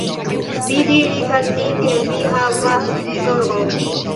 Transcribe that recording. Vi diris al mi ke vi havas zorgon